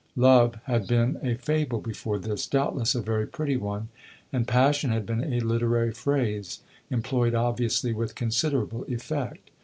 Love had been a fable before this doubtless a very pretty one; and passion had been a literary phrase employed obviously with considerable effect.